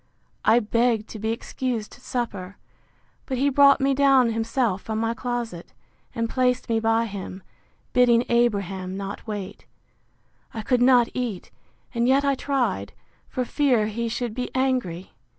I begged to be excused supper; but he brought me down himself from my closet, and placed me by him, bidding Abraham not wait. I could not eat, and yet I tried, for fear he should be angry.